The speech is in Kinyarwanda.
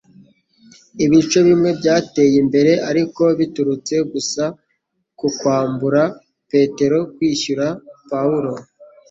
Ibice bimwe byateye imbere, ariko biturutse gusa ku kwambura Petero kwishyura Pawulo